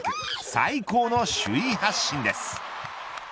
最高の首位発進です。